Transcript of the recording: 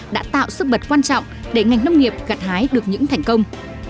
đã tạo sức bật quan trọng để ngành nông nghiệp gặt hái được những thành công